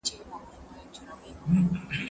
که وخت وي، لوبه کوم؟